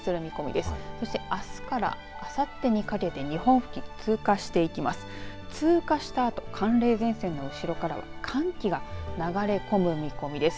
あすからあさってにかけて日本付近、通過していきます。